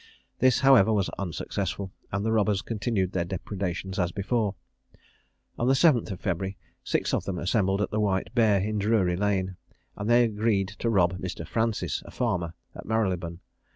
This, however, was unsuccessful, and the robbers continued their depredations as before. On the 7th February, six of them assembled at the White Bear, in Drury Lane, and they agreed to rob Mr. Francis, a farmer, at Marylebone.